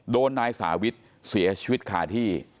โดนนายสาวิทเสียชีวิตคาที่